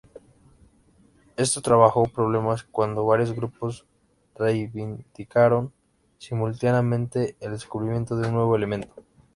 Esto trajo problemas cuando varios grupos reivindicaron simultáneamente el descubrimiento de un nuevo elemento.